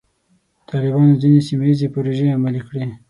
طالبانو ځینې سیمه ییزې پروژې عملي کړې.